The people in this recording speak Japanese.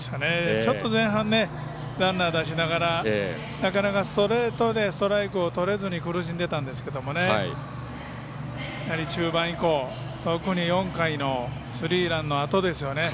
ちょっと前半ランナーを出しながらなかなかストレートでストライクをとれずに苦しんでいたんですが中盤以降、特に４回のスリーランのあとですよね。